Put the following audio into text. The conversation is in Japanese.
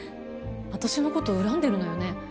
私の事恨んでるのよね？